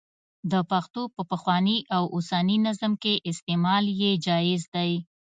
د پښتو په پخواني او اوسني نظم کې استعمال یې جائز دی.